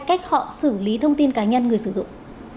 cách họ xử lý thông tin cá nhân người sử dụng